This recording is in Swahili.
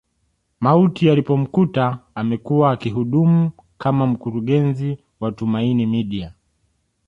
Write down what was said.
Mauti yalipomkuta amekuwa akihudumu kama mkurungezi wa Tumaini Media